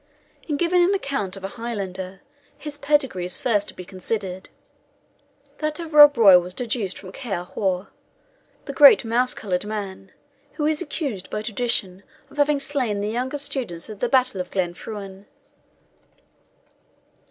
In giving an account of a Highlander, his pedigree is first to be considered. That of Rob Roy was deduced from Ciar Mhor, the great mouse coloured man, who is accused by tradition of having slain the young students at the battle of Glenfruin.